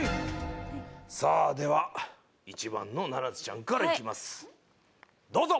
さあ、では１番の七瀬ちゃんからいきます、どうぞ！